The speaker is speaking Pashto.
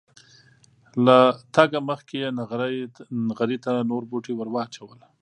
له تګه مخکې یې نغري ته نور بوټي ور واچول.